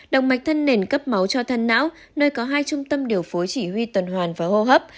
động mạch thân nền cấp máu cho thân não nơi có hai trung tâm điều phối chỉ huy tuần hoàn và hô hấp